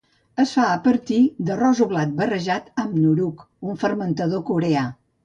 Es fa a partir d'arròs o blat barrejat amb "nuruk", un fermentador coreà.